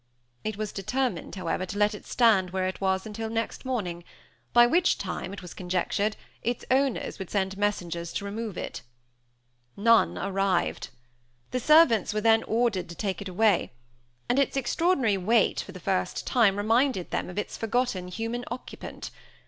It was determined, however, to let it stand where it was until next morning, by which time, it was conjectured, its owners would send messengers to remove it. None arrived. The servants were then ordered to take it away; and its extraordinary weight, for the first time, reminded them of its forgotten human occupant.